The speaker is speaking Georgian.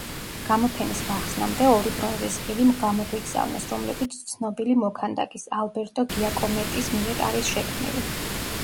გამოფენის გახსნამდე, ორი ბრონზის ღილი გამოგვიგზავნეს, რომლებიც ცნობილი მოქანდაკის, ალბერტო გიაკომეტის მიერ არის შექმნილი.